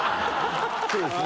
そうですね。